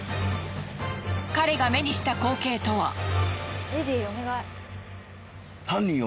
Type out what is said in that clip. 彼が目にした光景とは？